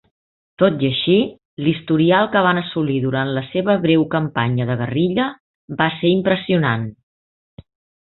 Tot i així, l'historial que van assolir durant la seva breu campanya de guerrilla va ser impressionant.